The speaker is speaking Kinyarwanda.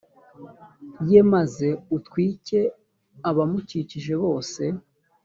ye maze utwike abamukikije bose